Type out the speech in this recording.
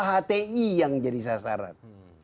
hti yang jadi sasaran